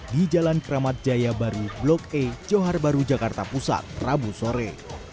di jalan keramat jaya baru blok e johar baru jakarta pusat rabu sore